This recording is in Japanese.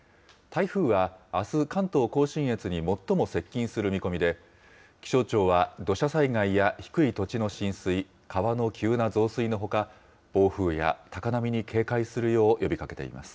台風はあす、関東甲信越に最も接近する見込みで、気象庁は土砂災害や低い土地の浸水、川の急な増水のほか、暴風や高波に警戒するよう呼びかけています。